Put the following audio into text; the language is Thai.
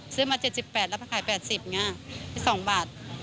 ซื้อมา๗๘แล้วถ้าขาย๘๐ง่ะมี๒บาท